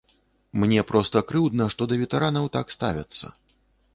Мне проста крыўдна, што да ветэранаў так ставяцца.